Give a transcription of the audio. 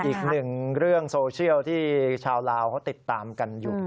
อีกหนึ่งเรื่องโซเชียลที่ชาวลาวเขาติดตามกันอยู่